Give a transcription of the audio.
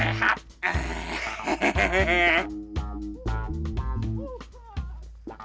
eh lihat tuh